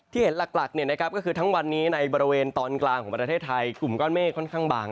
เห็นหลักก็คือทั้งวันนี้ในบริเวณตอนกลางของประเทศไทยกลุ่มก้อนเมฆค่อนข้างบาง